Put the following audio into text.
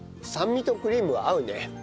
酸味とクリームは合うね。